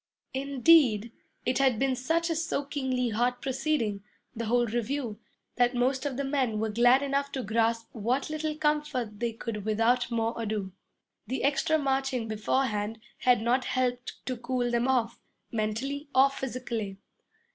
Indeed, it had been such a soakingly hot proceeding the whole review that most of the men were glad enough to grasp what little comfort they could without more ado. The extra marching beforehand had not helped to cool them off, mentally or physically.